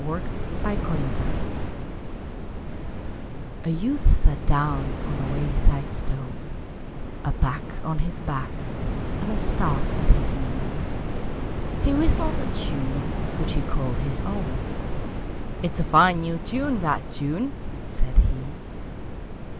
Possession A YOUTH sat down on a wayside stone, A pack on his back and a staff at his knee. He whistled a tune which he called his own, "It's a fine new tune, that tune!" said he.